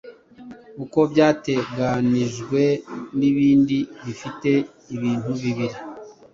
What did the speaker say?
uko byateganijwenibindi ifite ibintu bibiri